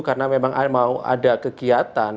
karena memang ada kegiatan